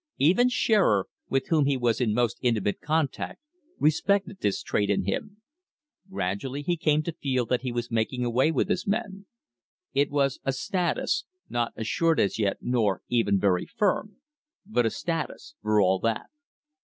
Even Shearer, with whom he was in most intimate contact, respected this trait in him. Gradually he came to feel that he was making a way with his men. It was a status, not assured as yet nor even very firm, but a status for all that.